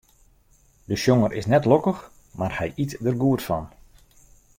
De sjonger is net lokkich, mar hy yt der goed fan.